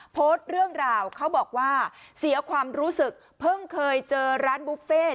โพสต์เรื่องราวเขาบอกว่าเสียความรู้สึกเพิ่งเคยเจอร้านบุฟเฟ่